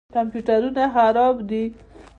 کمپیوټرونه خراب دي.